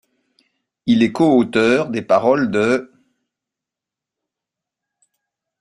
Il est coauteur des paroles de '.